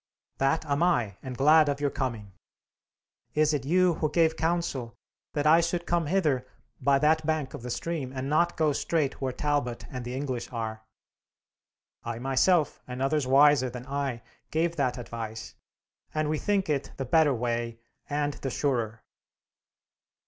"'That am I, and glad of your coming.' "'Is it you who gave counsel that I should come hither by that bank of the stream, and not go straight where Talbot and the English are?' "'I myself, and others wiser than I, gave that advice, and we think it the better way and the surer.'